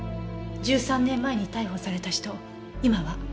１３年前に逮捕された人今は？